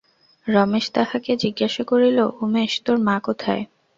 রমেশ তাহাকে জিজ্ঞাসা করিল, উমেশ, তোর মা কোথায়?